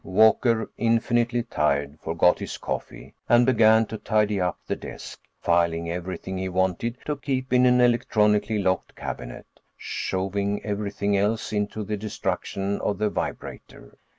Walker, infinitely tired, forgot his coffee and began to tidy up the desk, filing everything he wanted to keep in an electronically locked cabinet, shoving everything else into the destruction of the vibrator.